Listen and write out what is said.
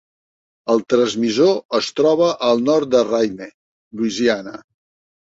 El transmissor es troba al nord de Rayne, Luisiana.